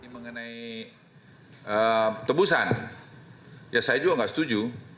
mengenai tebusan ya saya juga nggak setuju